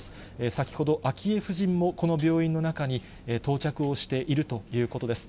先ほど、昭恵夫人もこの病院の中に到着をしているということです。